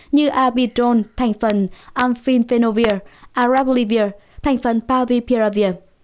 như abidol thành phần amphiphenovir arablivir thành phần pavipiravir